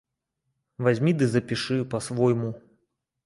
Вазьмі ды запішы, па-свойму.